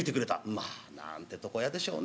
「まあなんて床屋でしょうね。